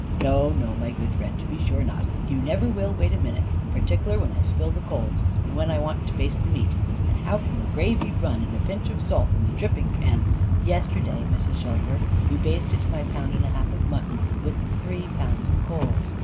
"No no, my good friend, to be sure not. You never will wait a minute, partikler when I spill the coals, and when I wants to baste the meat. And how can the gravy run, and a pinch of salt in the dripping pan " "Yesterday, Mrs. Shelfer, you basted my pound and a half of mutton with three pounds of coals.